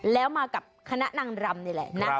แล้วมากับคณะนางรำนี่แหละนะ